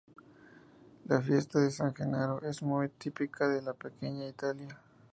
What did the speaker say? La "Fiesta de San Genaro" es muy típica de la Pequeña Italia.